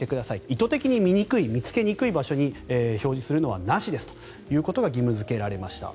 意図的に見にくい見つけにくい場所に表示するのはなしですと義務付けられました。